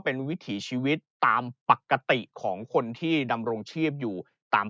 เป็นวิถีชีวิตตามปกติของคนที่ดำรงชีพอยู่ตาม